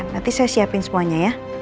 nanti saya siapin semuanya ya